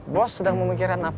bos sedang memikirkan apakah